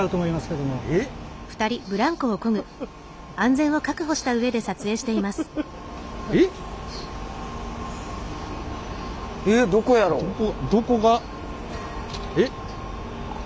どこどこが？えっ。